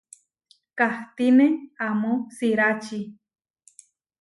Kahtíne amó siráči.